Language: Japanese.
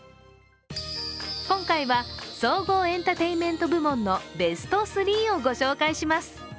今回は総合エンタテインメント部門のベスト３をご紹介します。